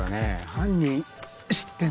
犯人知ってんだよ。